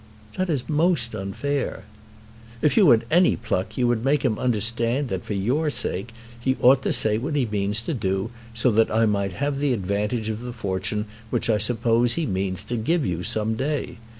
"That is most unfair." "If you had any pluck you would make him understand that for your sake he ought to say what he means to do, so that I might have the advantage of the fortune which I suppose he means to give you some day.